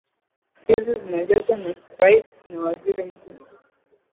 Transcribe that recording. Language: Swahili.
hizi zinajazwa na rais na waziri mkuu